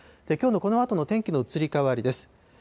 きょうのこのあとの天気の移り変わりです。